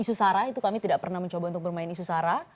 isu sara itu kami tidak pernah mencoba untuk bermain isu sara